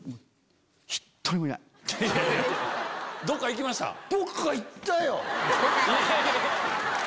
どっか行きました？